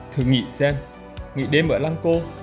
thử nghĩ xem nghỉ đêm ở lăng cô